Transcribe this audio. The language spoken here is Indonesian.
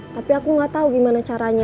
tapi aku gak tau gimana caranya